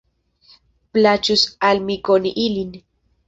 Plaĉus al mi koni ilin.